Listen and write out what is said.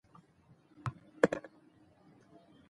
خو ښځه د نارينه په دې اختناق کې که وړه تېروتنه هم وکړي